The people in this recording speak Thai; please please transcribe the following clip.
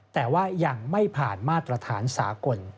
แต่ว่ายังไม่ผ่านมาตรฐานสากล